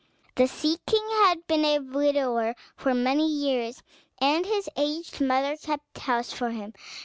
The Sea King had been a widower for many years, and his aged mother kept house for him.